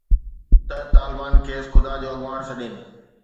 ته طالبان کيس خدا جو اڳواڻ سڏين